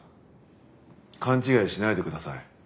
勘違いしないでください。